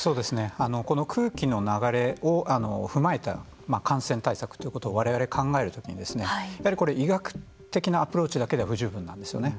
この空気の流れを踏まえた感染対策ということをわれわれ考えるときに医学的なアプローチだけでは不十分なんですよね。